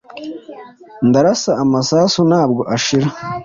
Ndarasa amasasu ntabwo ashira